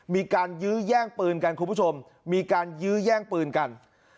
มีการยื้อแย่งปืนกันคุณผู้ชมมีการยื้อแย่งปืนกัน